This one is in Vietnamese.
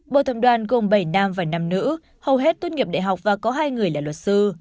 bộ thẩm đoàn gồm bảy nam và năm nữ hầu hết tốt nghiệp đại học và có hai người là luật sư